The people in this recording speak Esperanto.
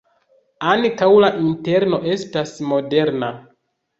Ankaŭ la interno estas moderna.